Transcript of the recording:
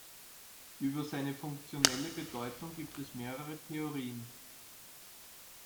Über seine funktionelle Bedeutung gibt es mehrere Theorien.